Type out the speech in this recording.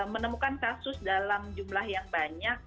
menemukan kasus dalam jumlah yang banyak